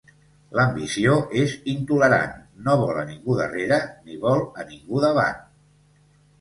L'ambició és intolerant: no vol a ningú darrere, ni vol a ningú davant.